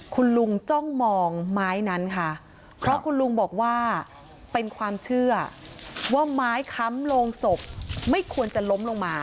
คุณลุงจ้องมองไม้นั้นค่ะเพราะคุณลุงบอกว่าเป็นความเชื่อว่าไม้ค้ำโรงศพไม่ควรจะล้มลงมา